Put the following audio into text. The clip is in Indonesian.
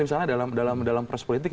misalnya dalam proses politik